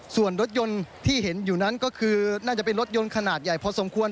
ส่วนรถยนต์ที่เห็นอยู่นั้นก็คือน่าจะเป็นรถยนต์ขนาดใหญ่พอสมควร